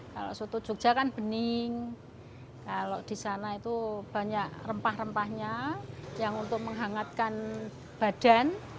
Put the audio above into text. kalau soto jogja kan bening kalau di sana itu banyak rempah rempahnya yang untuk menghangatkan badan